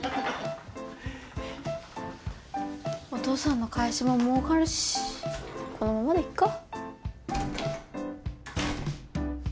お父さんの会社ももうかるしこのままでいっか。